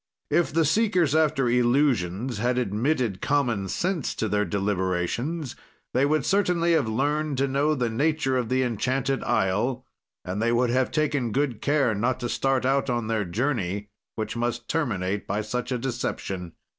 "If the seekers after illusions had admitted common sense to their deliberations, they would certainly have learned to know the nature of the enchanted isle, and they would have taken good care not to start out on their journey which must terminate by such a deception.